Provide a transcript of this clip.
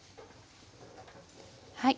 はい。